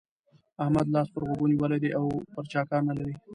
احمد لاس پر غوږو نيولی دی او پر چا کار نه لري.